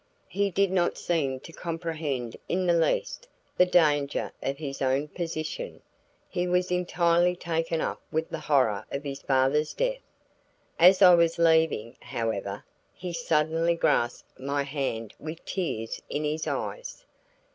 He did not seem to comprehend in the least the danger of his own position; he was entirely taken up with the horror of his father's death. As I was leaving, however, he suddenly grasped my hand with tears in his eyes.